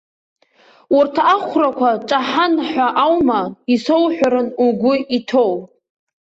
Урҭ ахәрақәа ҿаҳан ҳәа аума исоуҳәаран угәы иҭоу?